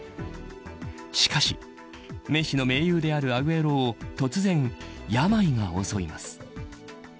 しかし、メッシの盟友であるアグエロを突然、病が襲います。